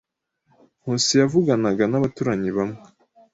Nkusi yavuganaga nabaturanyi bamwe.